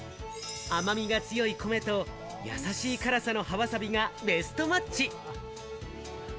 甘みが強い米と、やさしい辛さの葉わさびがベストマッチ！